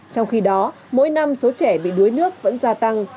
trong khi đó mỗi năm số trẻ bị đuối nước vẫn gia tăng